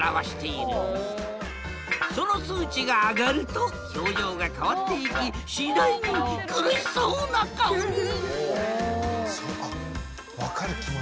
その数値が上がると表情が変わっていきしだいに苦しそうな顔に！